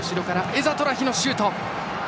エザトラヒのシュート。